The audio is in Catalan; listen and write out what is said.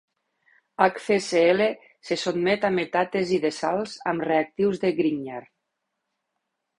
HfCl se sotmet a metàtesi de salts amb reactius de Grignard.